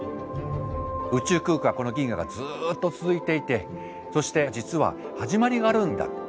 宇宙空間はこの銀河がずっと続いていてそして実は始まりがあるんだ。